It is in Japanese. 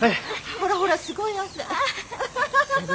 ほらほらすごい汗。